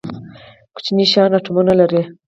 کوچني شیان اتومونه لري